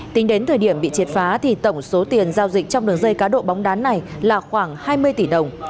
tính đến thời điểm bị triệt phá thì tổng số tiền giao dịch trong đường dây cá độ bóng đá này là khoảng hai mươi tỷ đồng